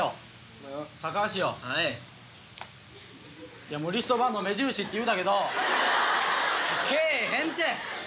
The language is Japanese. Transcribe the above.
いや「リストバンド目印」って言うたけど来えへんって。